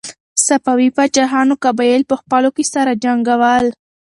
صفوي پاچاهانو قبایل په خپلو کې سره جنګول.